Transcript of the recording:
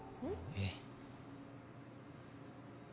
えっ？